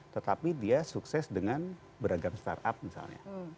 tetapi dia sukses dengan beragam startup misalnya